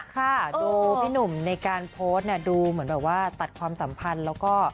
ค่ะดูพี่หนุ่มในการโพสต์เนี่ยดูเหมือนแบบว่าตัดความสัมพันธ์แล้วก็